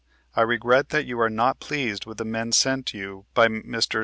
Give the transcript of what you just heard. I regret that you are not pleased with the men sent you by Messrs.